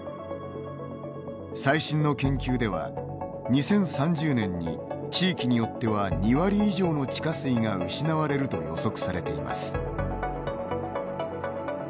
最新の研究では２０３０年に地域によっては２割以上の地下水が失われると予測されています。